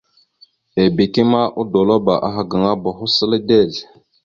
Ebeke ma odolabáaha gaŋa boho səla dezl.